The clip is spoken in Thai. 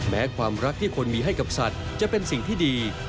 แม้ความรักที่คนมีให้กับสัตว์จะเป็นสิ่งที่ดี